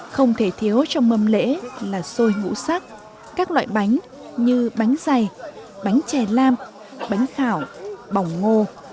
không thể thiếu trong mâm lễ là xôi ngũ sắc các loại bánh như bánh dày bánh chè lam bánh khảo bóng ngô